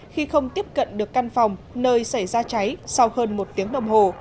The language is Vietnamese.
khi không tiếp cận được căn phòng nơi xảy ra cháy sau hơn một tiếng đồng hồ